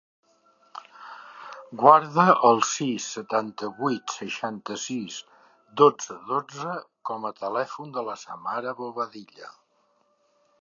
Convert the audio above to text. Guarda el sis, setanta-vuit, seixanta-sis, dotze, dotze com a telèfon de la Samara Bobadilla.